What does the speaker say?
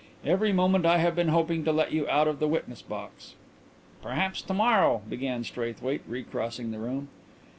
"Every moment I have been hoping to let you out of the witness box " "Perhaps to morrow " began Straithwaite, recrossing the room.